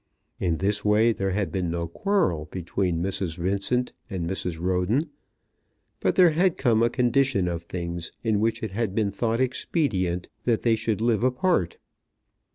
In this way there had been no quarrel between Mrs. Vincent and Mrs. Roden, but there had come a condition of things in which it had been thought expedient that they should live apart.